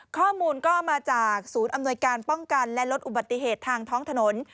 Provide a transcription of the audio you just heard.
ข้อมูลก็มาจากศูนย์อำนวยการป้องกันและลดอุบัติเหตุทางท้องถนน